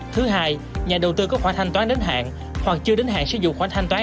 thứ hai nhà đầu tư có khoản thanh toán đến hạn hoặc chưa đến hạn sử dụng khoản thanh toán